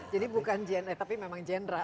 jadi bukan general tapi memang general